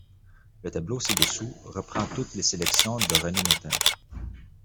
Le tableau ci-dessous reprend toutes les sélections de René Notten.